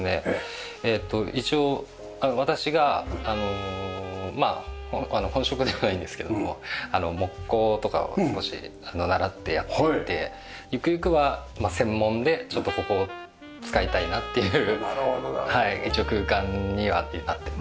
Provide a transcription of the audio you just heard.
一応私がまあ本職ではないんですけれども木工とかを少し習ってやっていて行く行くは専門でちょっとここを使いたいなっていう一応空間にはなってます。